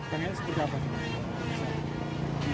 pengen seperti apa